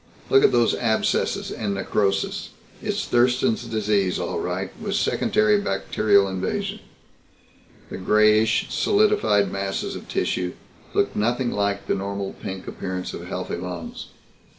"Look at those abscesses and necrosis. It's Thurston's Disease, all right, with secondary bacterial invasion." The grayish solidified masses of tissue looked nothing like the normal pink appearance of healthy lungs.